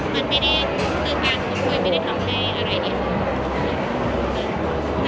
ขอบคุณภาษาให้ด้วยเนี่ย